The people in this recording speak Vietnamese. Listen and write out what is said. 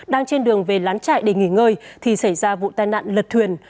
đang trên đường về lán chạy để nghỉ ngơi thì xảy ra vụ tai nạn lật thuyền